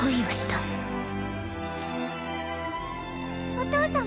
お父様